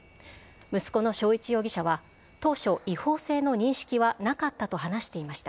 息子の生一容疑者は、当初、違法性の認識はなかったと話していました。